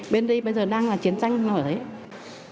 bên đây bây giờ đang là chiến tranh nó phải thế